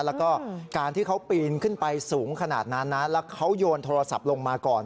แล้วก็การที่เขาปีนขึ้นไปสูงขนาดนั้นนะแล้วเขาโยนโทรศัพท์ลงมาก่อน